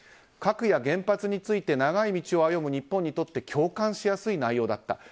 核や原発について長い道を歩む日本にとって共感しやすい内容だった。